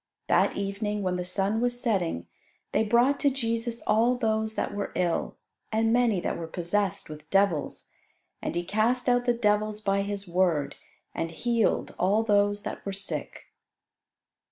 That evening, when the sun was setting, they brought to Jesus all those that were ill, and many that were possessed with devils. And He cast out the devils by His word, and healed all those that were sick.